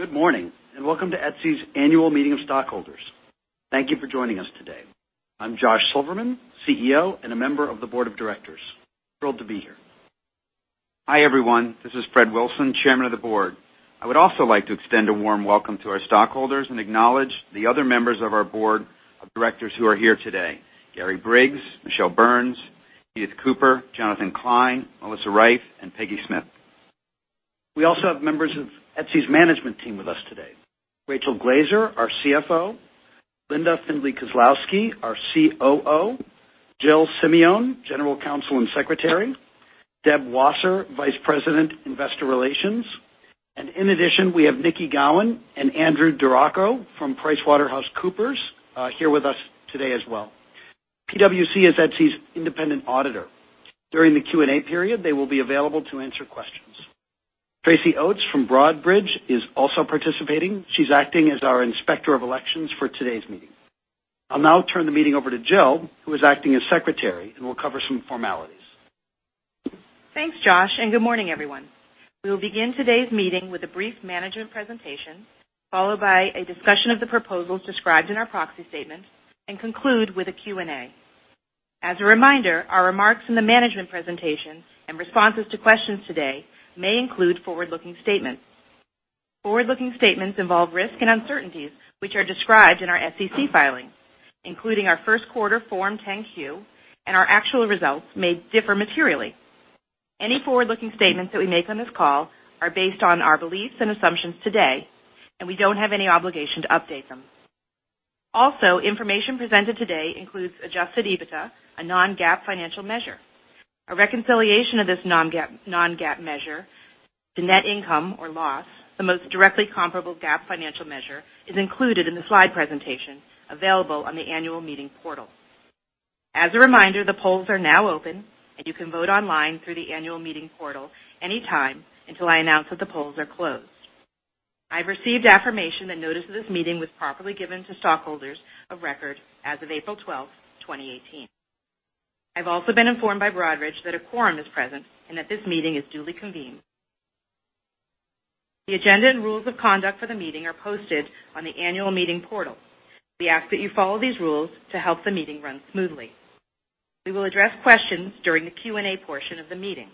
Good morning, and welcome to Etsy's Annual Meeting of Stockholders. Thank you for joining us today. I'm Josh Silverman, CEO, and a member of the Board of Directors. Thrilled to be here. Hi, everyone. This is Fred Wilson, Chairman of the Board. I would also like to extend a warm welcome to our stockholders and acknowledge the other members of our Board of Directors who are here today, Gary Briggs, Michele Burns, Edith Cooper, Jonathan Klein, Melissa Reiff, and Peggy Smyth. We also have members of Etsy's management team with us today. Rachel Glaser, our CFO, Linda Findley Kozlowski, our COO, Jill Simeone, General Counsel and Secretary, Deb Wasser, Vice President, Investor Relations. In addition, we have Nikki Gowan and Andrew Deraco from PricewaterhouseCoopers here with us today as well. PwC is Etsy's independent auditor. During the Q&A period, they will be available to answer questions. Tracy Oates from Broadridge is also participating. She's acting as our Inspector of Elections for today's meeting. I'll now turn the meeting over to Jill, who is acting as Secretary, and we'll cover some formalities. Thanks, Josh. Good morning, everyone. We will begin today's meeting with a brief management presentation, followed by a discussion of the proposals described in our proxy statement, and conclude with a Q&A. As a reminder, our remarks in the management presentation and responses to questions today may include forward-looking statements. Forward-looking statements involve risks and uncertainties, which are described in our SEC filings, including our first quarter Form 10-Q, and our actual results may differ materially. Any forward-looking statements that we make on this call are based on our beliefs and assumptions today, and we don't have any obligation to update them. Also, information presented today includes adjusted EBITDA, a non-GAAP financial measure. A reconciliation of this non-GAAP measure to net income or loss, the most directly comparable GAAP financial measure, is included in the slide presentation available on the annual meeting portal. As a reminder, the polls are now open, you can vote online through the annual meeting portal anytime until I announce that the polls are closed. I've received affirmation that notice of this meeting was properly given to stockholders of record as of April 12th, 2018. I've also been informed by Broadridge that a quorum is present and that this meeting is duly convened. The agenda and rules of conduct for the meeting are posted on the annual meeting portal. We ask that you follow these rules to help the meeting run smoothly. We will address questions during the Q&A portion of the meeting. If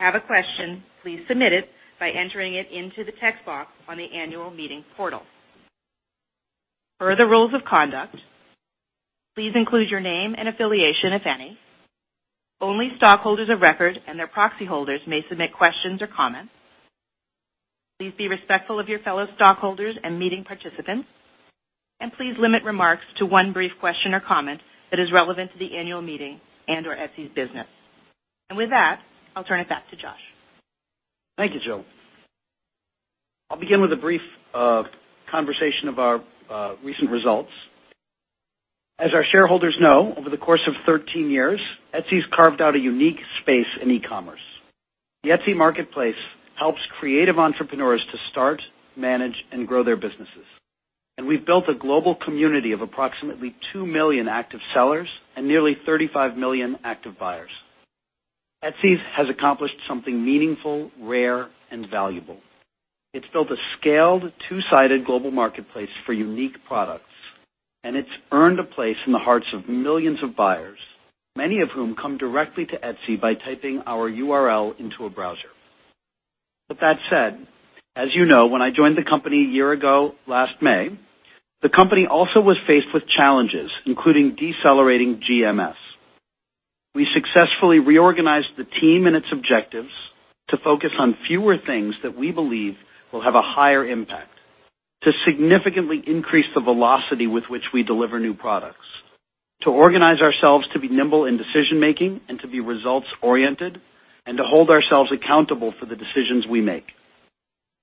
you have a question, please submit it by entering it into the text box on the annual meeting portal. Per the rules of conduct, please include your name and affiliation, if any. Only stockholders of record and their proxy holders may submit questions or comments. Please be respectful of your fellow stockholders and meeting participants, please limit remarks to one brief question or comment that is relevant to the annual meeting and/or Etsy's business. With that, I'll turn it back to Josh. Thank you, Jill. I'll begin with a brief conversation of our recent results. As our shareholders know, over the course of 13 years, Etsy's carved out a unique space in e-commerce. The Etsy marketplace helps creative entrepreneurs to start, manage, and grow their businesses. We've built a global community of approximately 2 million active sellers and nearly 35 million active buyers. Etsy has accomplished something meaningful, rare, and valuable. It's built a scaled, two-sided global marketplace for unique products, and it's earned a place in the hearts of millions of buyers, many of whom come directly to Etsy by typing our URL into a browser. With that said, as you know, when I joined the company a year ago last May, the company also was faced with challenges, including decelerating GMS. We successfully reorganized the team and its objectives to focus on fewer things that we believe will have a higher impact, to significantly increase the velocity with which we deliver new products, to organize ourselves to be nimble in decision-making and to be results oriented, and to hold ourselves accountable for the decisions we make.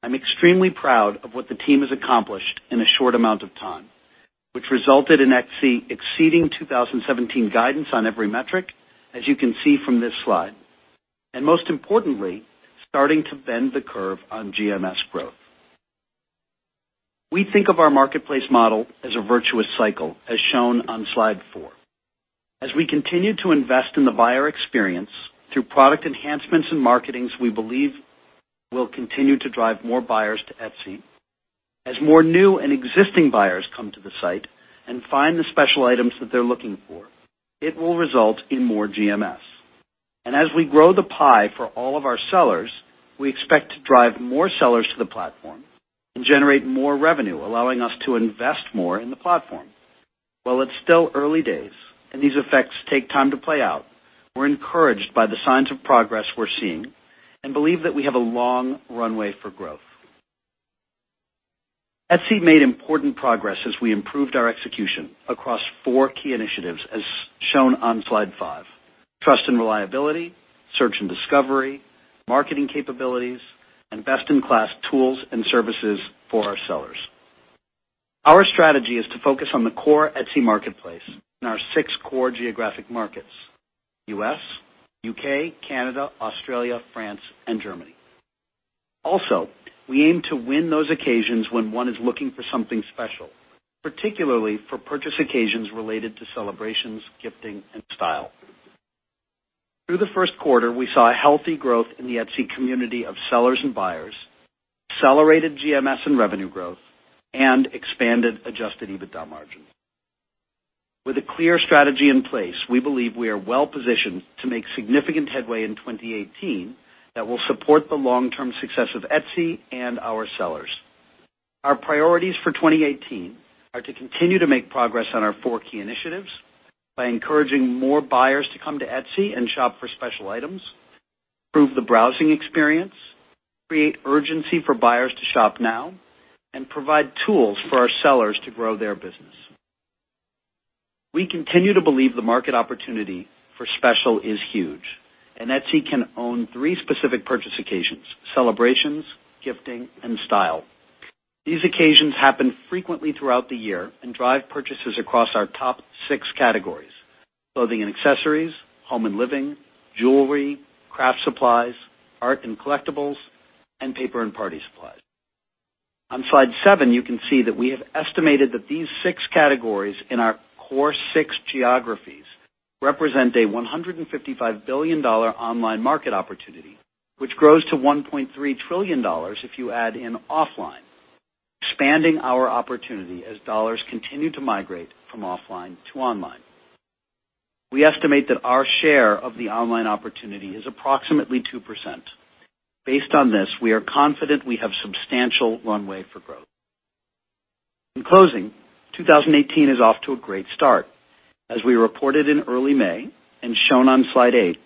I'm extremely proud of what the team has accomplished in a short amount of time, which resulted in Etsy exceeding 2017 guidance on every metric, as you can see from this slide. Most importantly, starting to bend the curve on GMS growth. We think of our marketplace model as a virtuous cycle, as shown on slide four. As we continue to invest in the buyer experience through product enhancements and marketing we believe will continue to drive more buyers to Etsy. As more new and existing buyers come to the site and find the special items that they're looking for, it will result in more GMS. As we grow the pie for all of our sellers, we expect to drive more sellers to the platform and generate more revenue, allowing us to invest more in the platform. While it's still early days, and these effects take time to play out, we're encouraged by the signs of progress we're seeing and believe that we have a long runway for growth. Etsy made important progress as we improved our execution across four key initiatives, as shown on slide five. Trust and reliability, search and discovery, marketing capabilities, and best-in-class tools and services for our sellers. Our strategy is to focus on the core Etsy marketplace in our six core geographic markets: U.S., U.K., Canada, Australia, France, and Germany. We aim to win those occasions when one is looking for something special, particularly for purchase occasions related to celebrations, gifting, and style. Through the first quarter, we saw a healthy growth in the Etsy community of sellers and buyers, accelerated GMS and revenue growth, and expanded adjusted EBITDA margin. With a clear strategy in place, we believe we are well-positioned to make significant headway in 2018 that will support the long-term success of Etsy and our sellers. Our priorities for 2018 are to continue to make progress on our four key initiatives by encouraging more buyers to come to Etsy and shop for special items, improve the browsing experience, create urgency for buyers to shop now, and provide tools for our sellers to grow their business. We continue to believe the market opportunity for special is huge, Etsy can own three specific purchase occasions: celebrations, gifting, and style. These occasions happen frequently throughout the year and drive purchases across our top 6 categories: clothing and accessories, home and living, jewelry, craft supplies, art and collectibles, and paper and party supplies. On slide seven, you can see that we have estimated that these 6 categories in our core 6 geographies represent a $155 billion online market opportunity, which grows to $1.3 trillion if you add in offline, expanding our opportunity as dollars continue to migrate from offline to online. We estimate that our share of the online opportunity is approximately 2%. Based on this, we are confident we have substantial runway for growth. In closing, 2018 is off to a great start. As we reported in early May, shown on slide eight,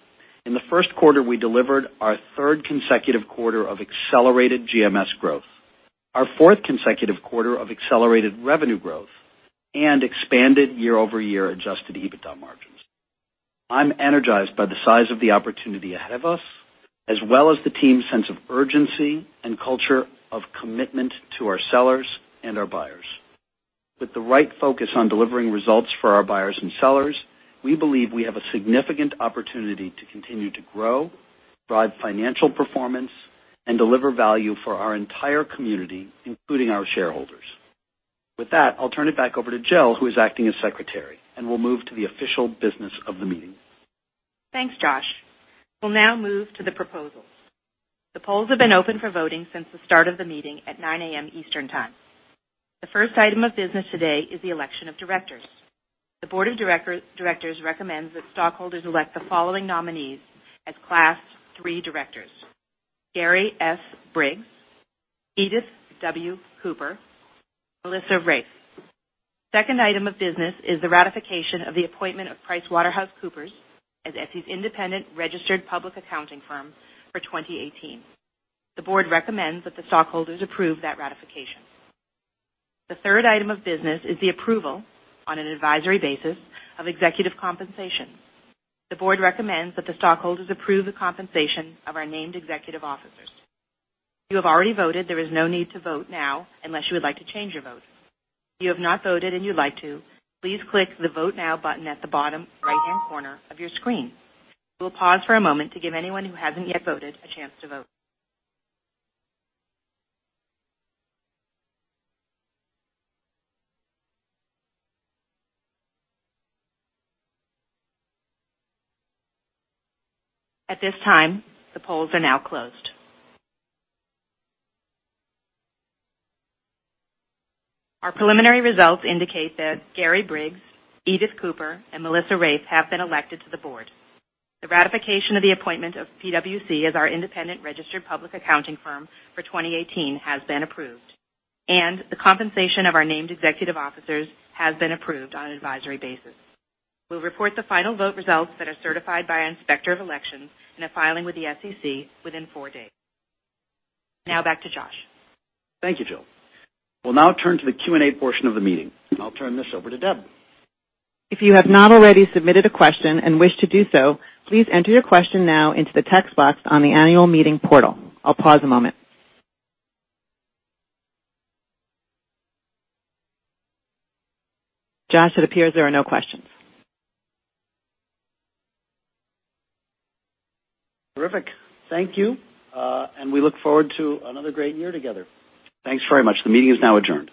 in the first quarter, we delivered our third consecutive quarter of accelerated GMS growth, our fourth consecutive quarter of accelerated revenue growth, and expanded year-over-year adjusted EBITDA margins. I'm energized by the size of the opportunity ahead of us, as well as the team's sense of urgency and culture of commitment to our sellers and our buyers. With the right focus on delivering results for our buyers and sellers, we believe we have a significant opportunity to continue to grow, drive financial performance, and deliver value for our entire community, including our shareholders. With that, I'll turn it back over to Jill, who is acting as secretary, and we'll move to the official business of the meeting. Thanks, Josh. We'll now move to the proposals. The polls have been open for voting since the start of the meeting at 9:00 A.M. Eastern Time. The first item of business today is the election of directors. The board of directors recommends that stockholders elect the following nominees as Class III directors: Gary S. Briggs, Edith W. Cooper, Melissa Raiff. Second item of business is the ratification of the appointment of PricewaterhouseCoopers as Etsy's independent registered public accounting firm for 2018. The board recommends that the stockholders approve that ratification. The third item of business is the approval, on an advisory basis, of executive compensation. The board recommends that the stockholders approve the compensation of our named executive officers. If you have already voted, there is no need to vote now unless you would like to change your vote. If you have not voted and you'd like to, please click the Vote Now button at the bottom right-hand corner of your screen. We'll pause for a moment to give anyone who hasn't yet voted a chance to vote. At this time, the polls are now closed. Our preliminary results indicate that Gary Briggs, Edith Cooper, and Melissa Raiff have been elected to the board. The ratification of the appointment of PwC as our independent registered public accounting firm for 2018 has been approved, and the compensation of our named executive officers has been approved on an advisory basis. We'll report the final vote results that are certified by Inspector of Elections in a filing with the SEC within four days. Back to Josh. Thank you, Jill. We'll now turn to the Q&A portion of the meeting. I'll turn this over to Deb. If you have not already submitted a question and wish to do so, please enter your question now into the text box on the annual meeting portal. I'll pause a moment. Josh, it appears there are no questions. Terrific. Thank you. We look forward to another great year together. Thanks very much. The meeting is now adjourned.